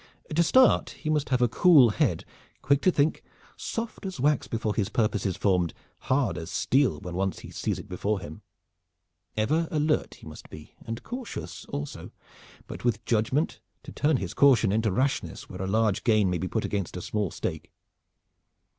To start he must have a cool head, quick to think, soft as wax before his purpose is formed, hard as steel when once he sees it before him. Ever alert he must be, and cautious also, but with judgment to turn his caution into rashness where a large gain may be put against a small stake.